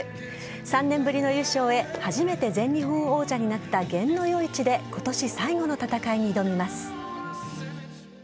３年ぶりの優勝へ初めて全日本王者になった験の良い地で今年最後の戦いに挑みます。